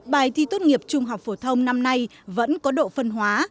bài thi tốt nghiệp trung học phổ thông năm nay vẫn có độ phân hóa